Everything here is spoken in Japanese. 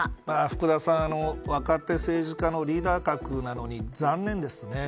福田さん若手政治家のリーダー格なのに残念ですね。